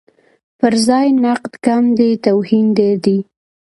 پرځای نقد کم دی، توهین ډېر دی.